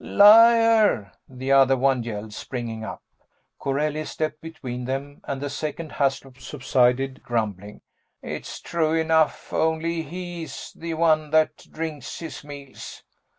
"Liar!" the other one yelled, springing up. Corelli stepped between them and the second Haslop subsided, grumbling. "It's true enough, only he's the one that drinks his meals.